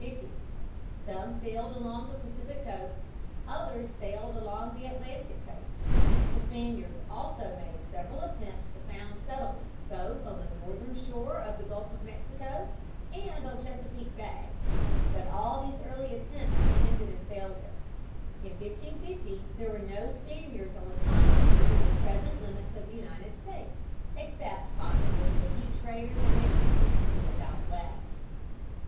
Some sailed along the Pacific coast; others sailed along the Atlantic coast. The Spaniards also made several attempts to found settlements both on the northern shore of the Gulf of Mexico and on Chesapeake Bay. But all these early attempts ended in failure. In 1550 there were no Spaniards on the continent within the present limits of the United States, except possibly a few traders and missionaries in the Southwest.